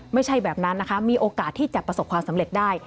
ไม่ใช่แบบนั้นนะคะมีโอกาสที่จะประสบความสำเร็จได้